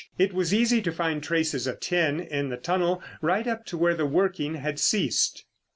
It was easy to find traces of tin in the tunnel right up to where the working had ceased.